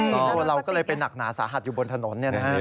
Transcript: ตัวเราก็เลยเป็นหนักหนาสาหัสอยู่บนถนนเนี่ยนะครับ